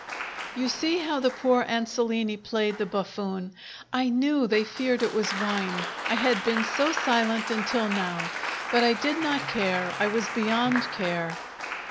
You see how the poor Ansolini played the buffoon. I knew they feared it was wine, I had been so silent until now; but I did not care, I was beyond care.